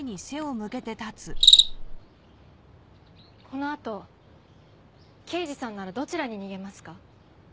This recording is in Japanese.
このあと刑事さんならどちらに逃げますか？